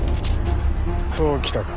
そう来たか。